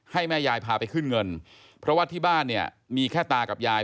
ให้แม่ยายพาไปขึ้นเงินเพราะว่าที่บ้านเนี่ยมีแค่ตากับยาย